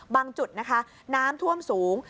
จุดนะคะน้ำท่วมสูง